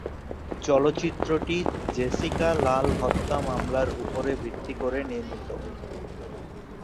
চলচ্চিত্রটি জেসিকা লাল হত্যা মামলার উপর ভিত্তি করে নির্মিত।